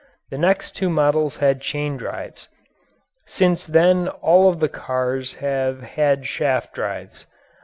The next two models had chain drives. Since then all of the cars have had shaft drives.